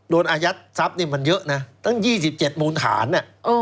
อายัดทรัพย์นี่มันเยอะนะตั้ง๒๗มูลฐาน